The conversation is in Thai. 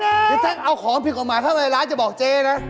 นี่แต้งเอาของผิดกฎหมายไห้อะไรล่ะจะบอกเจ๊นะ